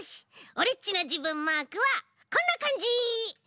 オレっちのじぶんマークはこんなかんじ！